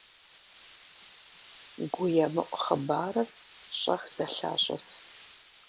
ГуемыӀу хъыбарыр щӀэх зэлъащӀыс.